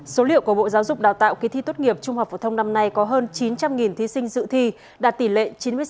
số liệu của bộ giáo dục đào tạo kỳ thi tốt nghiệp trung học phổ thông năm nay có hơn chín trăm linh thí sinh dự thi đạt tỷ lệ chín mươi sáu một mươi ba